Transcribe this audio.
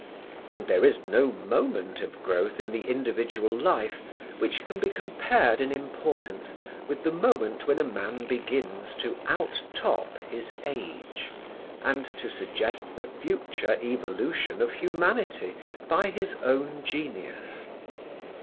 And there is no moment of growth in the individual life which can be compared in importance with the moment when a man begins to outtop his age, and to suggest the future evolution of humanity by his own genius.